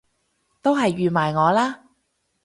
都係預埋我啦！